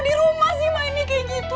dirumah sih mainnya kayak gitu